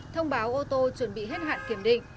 thông báo ô tô chuẩn bị hết hạn kiểm định